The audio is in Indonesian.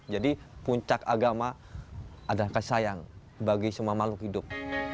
jadi puncak agama adalah kasih sayang bagi semua makhluk hidup